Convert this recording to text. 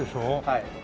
はい。